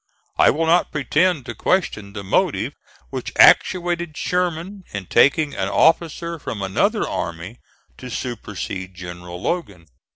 I will not pretend to question the motive which actuated Sherman in taking an officer from another army to supersede General Logan.